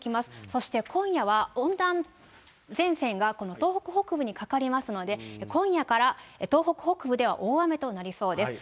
そして今夜は温暖前線が東北北部にかかりますので、今夜から東北北部では大雨となりそうです。